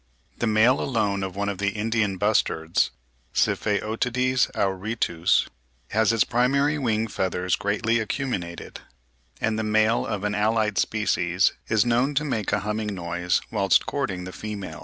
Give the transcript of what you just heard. The male alone of one of the Indian bustards (Sypheotides auritus) has its primary wing feathers greatly acuminated; and the male of an allied species is known to make a humming noise whilst courting the female.